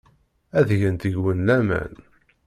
Ad gent deg-wen laman.